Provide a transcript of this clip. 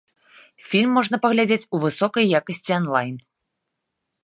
Фільм можна паглядзець у высокай якасці анлайн.